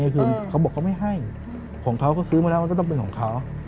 คือเขาบอกเขาไม่ให้ของเขาก็ซื้อมาแล้วมันก็ต้องเป็นของเขา